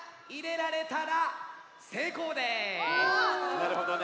なるほどね。